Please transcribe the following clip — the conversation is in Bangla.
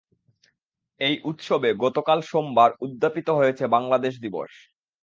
এই উৎসবে গতকাল সোমবার উদ্যাপিত হয়েছে বাংলাদেশ দিবস।